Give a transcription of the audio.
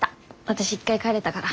私一回帰れたから。